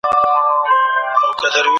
په بحثونو کي څوک برخه اخلي؟